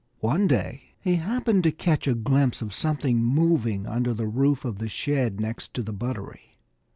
One day he happened to catch a glimpse of something moving under the roof of the shed next the buttery.